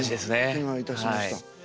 気がいたしました。